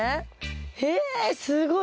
へえすごい！